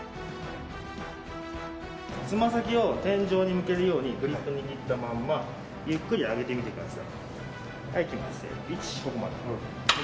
つま先を天井に向けるようにグリップを握ったままゆっくり上げてみてください。